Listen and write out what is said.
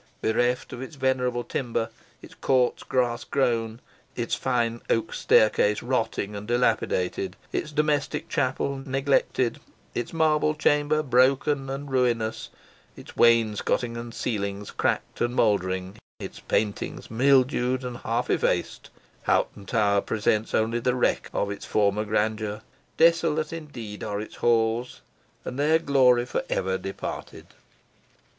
Bereft of its venerable timber, its courts grass grown, its fine oak staircase rotting and dilapidated, its domestic chapel neglected, its marble chamber broken and ruinous, its wainscotings and ceilings cracked and mouldering, its paintings mildewed and half effaced, Hoghton Tower presents only the wreck of its former grandeur. Desolate indeed are its halls, and their glory for ever departed!